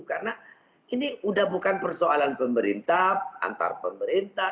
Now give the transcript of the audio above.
karena ini udah bukan persoalan pemerintah antar pemerintah